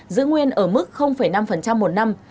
giữ nguyên ở mức năm một năm